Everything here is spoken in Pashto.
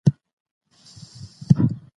د تیرو پیښو څخه عبرت واخلئ.